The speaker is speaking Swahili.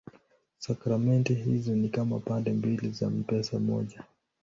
Sakramenti hizo ni kama pande mbili za pesa moja.